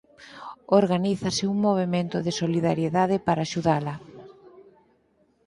Organízase un movemento de solidariedade para axudala.